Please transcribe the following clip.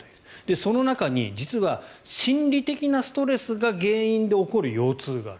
その中に実は心理的なストレスが原因で起こる腰痛がある。